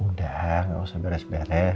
udah gak usah beres beres